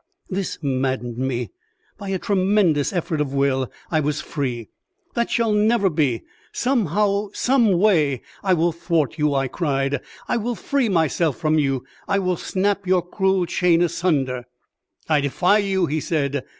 This maddened me. By a tremendous effort of will I was free. "That shall never be. Somehow, some way, I will thwart you," I cried. "I will free myself from you; I will snap your cruel chain asunder." "I defy you!" he said.